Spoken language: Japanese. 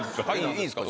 いいですか？